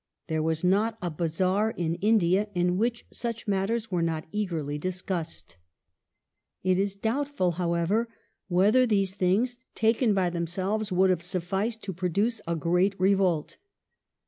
There was not a bazaar in India in which such matters were not eagerly discussed. It is doubtful, however, whether these things, taken by them selves, would have sufficed to produce a great revolt.